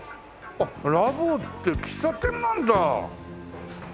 あっラボって喫茶店なんだ！